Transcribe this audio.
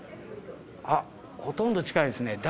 あっほとんど近いですね。